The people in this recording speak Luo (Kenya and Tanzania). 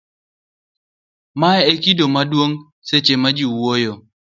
mae en kido maduong' seche ma ji wuoyo